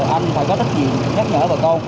anh phải có tác diện nhắc nhở bà con